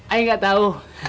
aku nggak tau